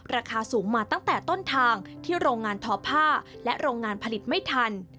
ราคาสูงมาตั้งแต่ต้นทางที่โรงงานทอผ้าและโรงงานผลิตไม่ทัน